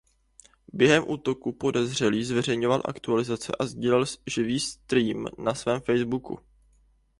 Během útoku podezřelý zveřejňoval aktualizace a sdílel živý stream na svém Facebooku.